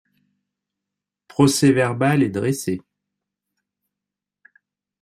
Procès-verbal est dressé.